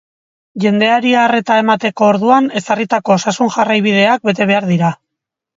Jendeari arreta emateko orduan, ezarritako osasun-jarraibideak bete behar dira.